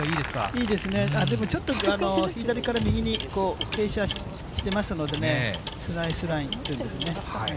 でも、ちょっと左から右に傾斜してますのでね、スライスラインっていうんですね。